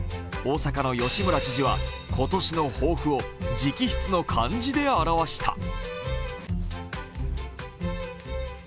大阪の吉村知事は今年の抱負を直筆の漢字で表した。